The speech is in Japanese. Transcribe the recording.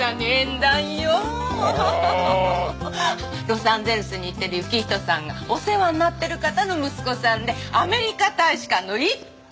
ロサンゼルスに行ってる行人さんがお世話になってる方の息子さんでアメリカ大使館の一等書記官よ。